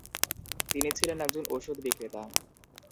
তিনি ছিলেন একজন ওষুধ বিক্রেতা।